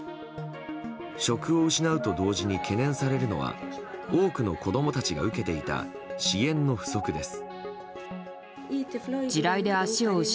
職を失うと同時に懸念されるのは多くの子供たちが受けていた支援の不足です。